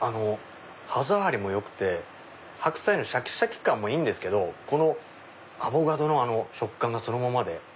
歯触りもよくて白菜のシャキシャキ感もいいけどこのアボカドの食感がそのままで。